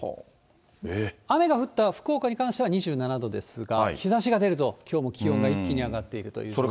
雨が降った福岡に関しては２７度ですが、日ざしが出るときょうも気温が一気に上がっているという状況です。